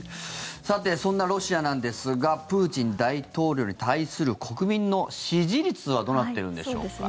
そんなロシアなんですがプーチン大統領に対する国民の支持率はどうなっているんでしょうか？